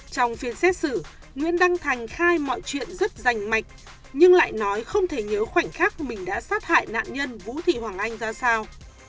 trong phiên xét xử nguyễn đăng thành khai mọi chuyện rất rành mạch nhưng lại nói không thể nhớ khoảnh khắc mình đã sát hại nạn nhân vũ thị hoàng anh ra sao